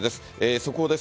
速報です。